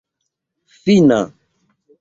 fina